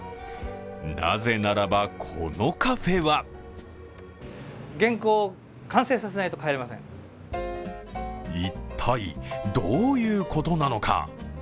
なぜならば、このカフェは一体、どういうことなのか？